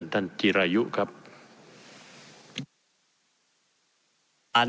ท่านจิรายุครับ